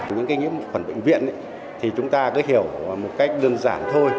những cái nhiễm khuẩn bệnh viện thì chúng ta cứ hiểu một cách đơn giản thôi